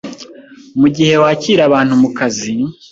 Mu gihe wakira abantu mu kazi